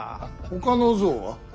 ほかの像は。